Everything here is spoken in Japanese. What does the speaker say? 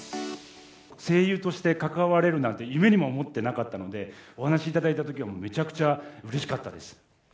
声優として関われるなんて、夢にも思ってなかったので、お話しいただいたときはめちゃくちゃうれしかったです。